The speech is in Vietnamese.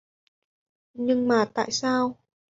Nhưng mà tại sao